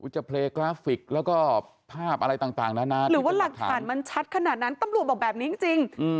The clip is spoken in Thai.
จะเพลยกราฟิกแล้วก็ภาพอะไรต่างนานหรือว่าหลักฐานมันชัดขนาดนั้นตำรวจบอกแบบนี้จริง